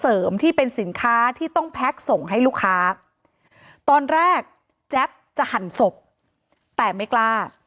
ที่เป็นสินค้าที่ต้องแพ็คส่งให้ลูกค้าตอนแรกแจ๊บจะหั่นศพแต่ไม่กล้า